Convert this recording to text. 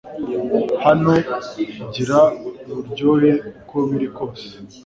Hano, gira uburyohe uko biri kose